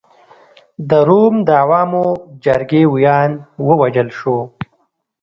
د روم د عوامو جرګې ویاند ووژل شو.